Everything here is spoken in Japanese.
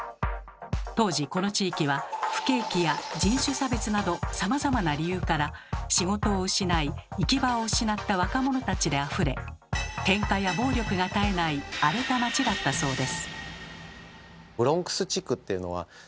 当時この地域は不景気や人種差別などさまざまな理由から仕事を失い行き場を失った若者たちであふれケンカや暴力が絶えない荒れた街だったそうです。